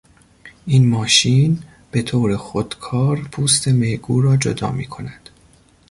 این ماشین به طور خود کار پوست میگو را جدا میکند.